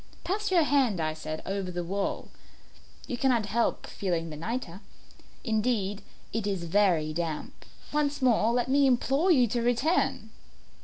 "Pass your hand," I said, "over the wall; you cannot help feeling the nitre. Indeed, it is very damp. Once more let me implore you to return.